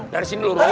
dari sini lurus